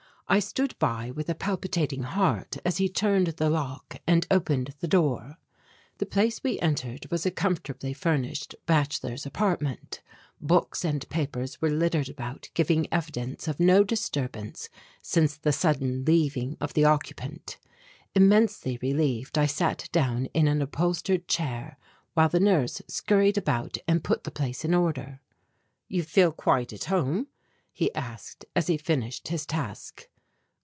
I stood by with a palpitating heart as he turned the lock and opened the door. The place we entered was a comfortably furnished bachelor's apartment. Books and papers were littered about giving evidence of no disturbance since the sudden leaving of the occupant. Immensely relieved I sat down in an upholstered chair while the nurse scurried about and put the place in order. "You feel quite at home?" he asked as he finished his task.